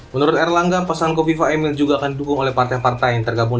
menurut erlangga pasangan kofifa emil juga akan didukung oleh partai partai yang tergabung